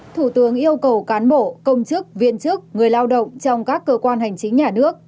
thủ tướng yêu cầu cán bộ công chức viên chức người lao động trong các cơ quan hành chính nhà nước